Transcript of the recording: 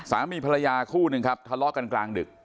สามีภรรยาคู่หนึ่งครับทะเลาะกันกลางดึก